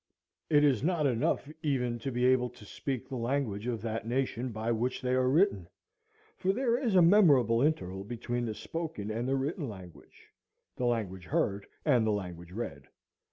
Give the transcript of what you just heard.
It is not enough even to be able to speak the language of that nation by which they are written, for there is a memorable interval between the spoken and the written language, the language heard and the language read.